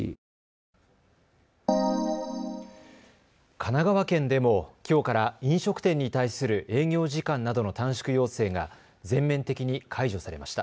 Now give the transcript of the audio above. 神奈川県でも、きょうから飲食店に対する営業時間などの短縮要請が全面的に解除されました。